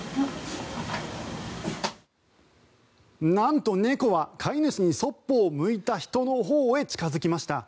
なんと猫は飼い主にそっぽを向いた人のほうへ近付きました。